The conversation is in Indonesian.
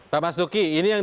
pak mas duki ini yang